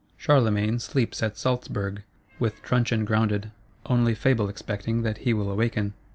Charlemagne sleeps at Salzburg, with truncheon grounded; only Fable expecting that he will awaken.